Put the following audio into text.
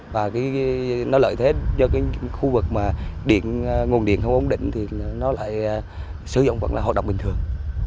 và cái nó lợi thế cho cái khu vực mà nguồn điện không ổn định thì nó lại sử dụng vẫn là hoạt động bình thường